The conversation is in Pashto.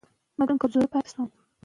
د مور کافي خوب مهم دی.